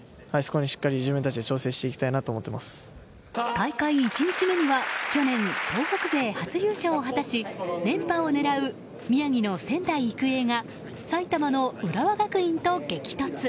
大会１日目には去年、東北勢初優勝を果たし連覇を狙う宮城の仙台育英が埼玉の浦和学院と激突。